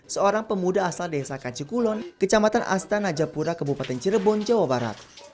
seorang pemuda asal desa kacikulon kecamatan astana japura kebupaten cirebon jawa barat